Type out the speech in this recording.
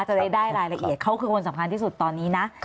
จะได้รายละเอียดเขาคือคนสำคัญที่สุดตอนนี้นะ